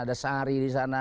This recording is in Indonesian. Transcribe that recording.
ada sari di sana